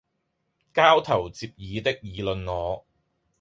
交頭接耳的議論我，